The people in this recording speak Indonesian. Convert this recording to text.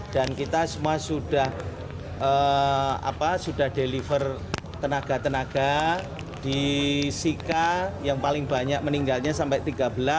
dan kita semua sudah deliver tenaga tenaga di sika yang paling banyak meninggalnya sampai tiga belas